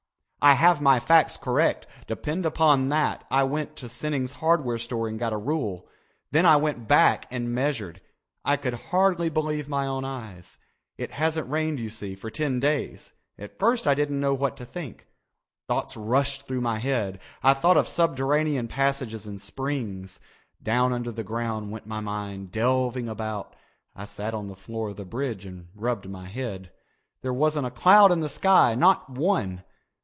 "I have my facts correct. Depend upon that. I went to Sinnings' Hardware Store and got a rule. Then I went back and measured. I could hardly believe my own eyes. It hasn't rained you see for ten days. At first I didn't know what to think. Thoughts rushed through my head. I thought of subterranean passages and springs. Down under the ground went my mind, delving about. I sat on the floor of the bridge and rubbed my head. There wasn't a cloud in the sky, not one.